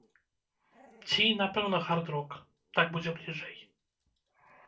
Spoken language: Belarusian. Ці, напэўна, хард-рок, так будзе бліжэй.